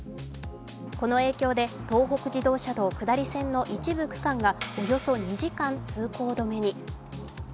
この影響で、東北自動車道下り線の一部区間がおよそ２時間、通行止めに。